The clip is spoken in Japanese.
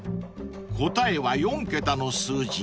［答えは４桁の数字］